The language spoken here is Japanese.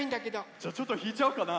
じゃちょっとひいちゃおうかな？